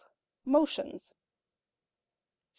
Motions. 55.